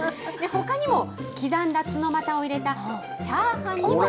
ほかにも、刻んだツノマタを入れたチャーハンも。